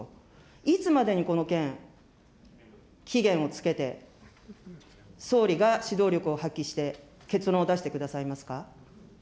いつまでにこの件、期限をつけて、総理が指導力を発揮して結論を出してくださいますか。